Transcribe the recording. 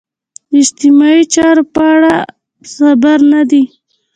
د اجتماعي چارو په اړه خبر نه دي.